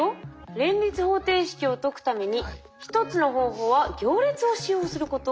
「連立方程式を解くために一つの方法は行列を使用することです」。